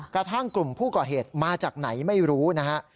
กระทั่งกลุ่มผู้ก่อเหตุมาจากไหนไม่รู้นะฮะ